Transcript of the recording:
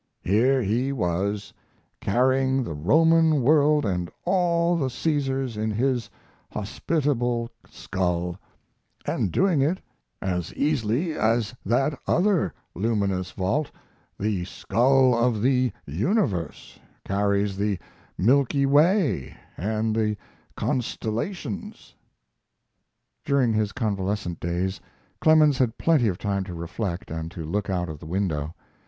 Here he was, carrying the Roman world and all the Caesars in his hospitable skull, and doing it as easily as that other luminous vault, the skull of the universe, carries the Milky Way and the constellations. During his convalescent days, Clemens had plenty of time to reflect and to look out of the window.